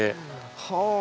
はあ！